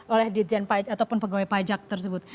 oleh ditjen ataupun pegawai pajak tersebut